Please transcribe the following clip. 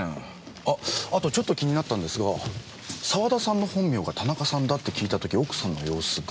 あっあとちょっと気になったんですが澤田さんの本名が田中さんだって聞いた時奥さんの様子が。